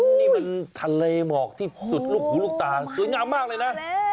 นี่มันทะเลหมอกที่สุดลูกหูลูกตางสวยงามมากเลยนะ